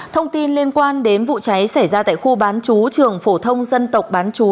thông tin liên quan đến vụ cháy xảy ra tại khu bán chú trường phổ thông dân tộc bán chú